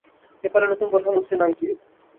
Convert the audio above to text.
নেপালের নতুন প্রধানমন্ত্রীর নাম কী?